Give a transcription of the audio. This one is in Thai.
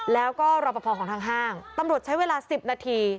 แล้วก็รอปภของทางห้างตำรวจใช้เวลา๑๐นาที